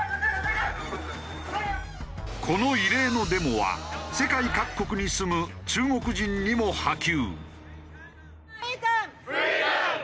この異例のデモは世界各国に住む中国人にも波及。